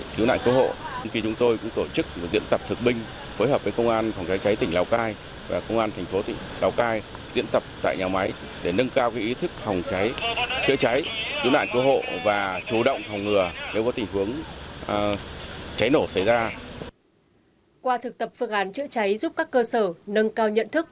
qua thực tập phương án chữa cháy giúp các cơ sở nâng cao nhận thức